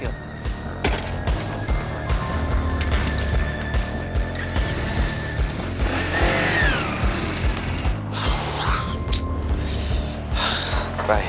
sial ini keren banget